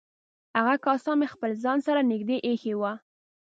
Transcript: هغه کاسه مې خپل ځان سره نږدې ایښې وه.